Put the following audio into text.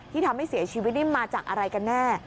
ทำให้เสียชีวิตนี่มาจากอะไรกันแน่